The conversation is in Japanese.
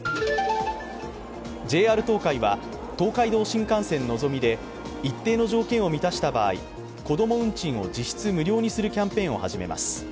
ＪＲ東海は、東海道新幹線のぞみで一定の条件を満たした場合、子供運賃を実質無料にするキャンペーンを始めます。